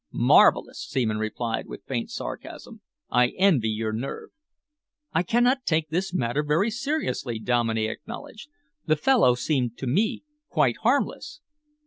"Marvellous!" Seaman replied, with faint sarcasm. "I envy your nerve." "I cannot take this matter very seriously," Dominey acknowledged. "The fellow seemed to me quite harmless."